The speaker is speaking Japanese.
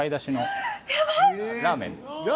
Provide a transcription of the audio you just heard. ラーメン！？